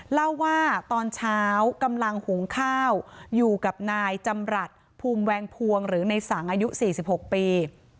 เล่าว่าตอนเช้ากำลังหุงข้าวอยู่กับนายจำรัฐภูมิแวงพวงหรือในสังอายุ๔๖ปี